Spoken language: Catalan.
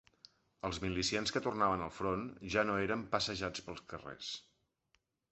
Els milicians que tornaven al front ja no eren passejats pels carrers